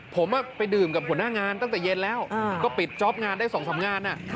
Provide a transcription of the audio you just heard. ผมไปดื่มกับหัวหน้างานตั้งแต่เย็นแล้วก็ปิดจ๊อปงานได้๒๓งาน